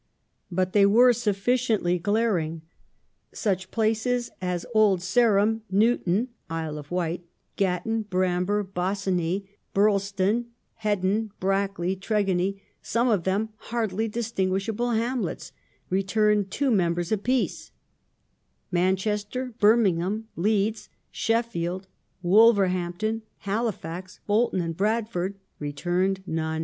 But they were sufficiently glaring. Such places as Old Sarum, Newtown (Isle of Wight), Gatton, Bramber, Bossiney, Beeralston, Hedon, Brackley, and Tregony, some of them hardly distinguishable hamlets, returned two members apiece ; Manchester, Birmingham, Leeds, Sheffield, Wolverhampton, Halifax, Bolton, and Bradford returned none.